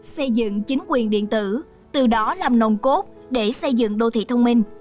xây dựng chính quyền điện tử từ đó làm nồng cốt để xây dựng đô thị thông minh